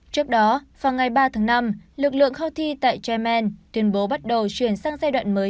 trước đó vào ngày ba tháng năm lực lượng houthi tại yemen tuyên bố bắt đầu chuyển sang giai đoạn mới